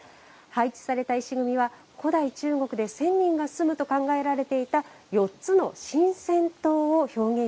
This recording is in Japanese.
配置された石組みは古代中国で仙人が住むと考えられていた４つの神仙島を表現しています。